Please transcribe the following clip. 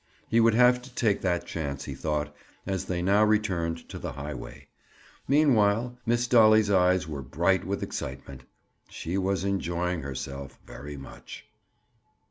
He would have to take that chance, he thought, as they now returned to the highway. Meanwhile Miss Dolly's eyes were bright with excitement. She was enjoying herself very much.